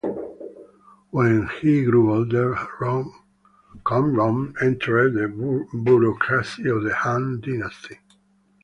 When he grew older, Kong Rong entered the bureaucracy of the Han Dynasty.